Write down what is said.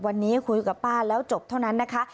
วันนี้คุยกับป้าแล้วจบเท่านั้นนะคะ